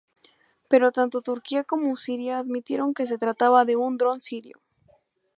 Pero tanto Turquía como Siria admitieron que se trataba de un dron sirio.